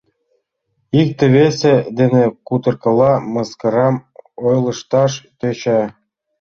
Икте-весе дене кутыркала, мыскарам ойлышташ тӧча.